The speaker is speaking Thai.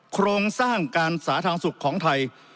โครงสร้างการสาธารณสุขของไทย